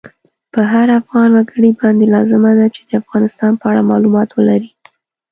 په هر افغان وګړی باندی لازمه ده چی د افغانستان په اړه مالومات ولری